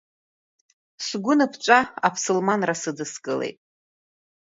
Сгәы аныԥҵәа аԥсылманра сыдыскылеит.